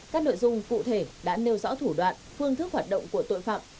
các nội dung cụ thể đã nêu rõ thủ đoạn phương thức hoạt động của tội phạm